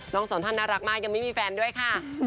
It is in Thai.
สองท่านน่ารักมากยังไม่มีแฟนด้วยค่ะ